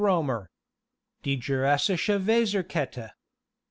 Rémer. Die jurassische Weserkette.